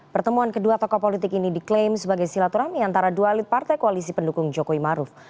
pertemuan kedua tokoh politik ini diklaim sebagai silaturahmi antara dua elit partai koalisi pendukung jokowi maruf